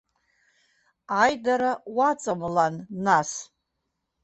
Аидара уаҵамлан, нас.